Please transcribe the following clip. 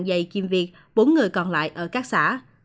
dày chim việt bốn người còn lại ở các xã